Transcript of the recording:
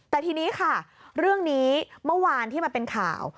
แต่ทีนี้ค่ะเรื่องนี้เมื่อวานที่มันเป็นข่าว